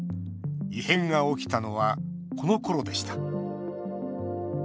異変が起きたのはこのころでした。